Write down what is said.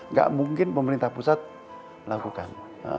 nggak mungkin pemerintah pusat melakukan